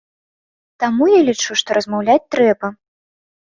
Таму я лічу, што размаўляць трэба.